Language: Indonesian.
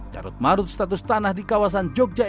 carut marut status tanah di kawasan jogja